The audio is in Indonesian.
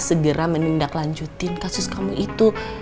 segera menindaklanjutin kasus kamu itu